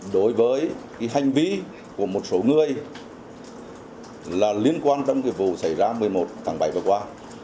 đối với hành vi của một số người là liên quan trong vụ xảy ra một mươi một tháng bảy vừa qua